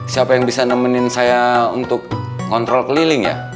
siapa yang bisa nemenin saya untuk ngontrol keliling ya